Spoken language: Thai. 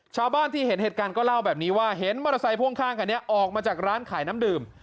ชาวบ้านที่เห็นเหตุการณ์ก็เล่าแบบนี้ว่าเห็นมอเตอร์ไซค์พ่วงข้างคันนี้ออกมาจากร้านขายน้ำดื่ม